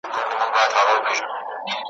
رغړېدم چي له کعبې تر سومناته `